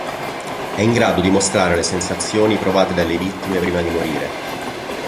È in grado di mostrare le sensazioni provate dalle vittime prima di morire.